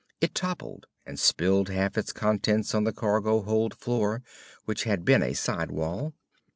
It toppled and spilled half its contents on the cargo hold floor, which had been a sidewall.